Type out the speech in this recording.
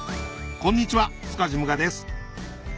こんにちは塚地武雅です